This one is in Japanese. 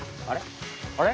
あれ？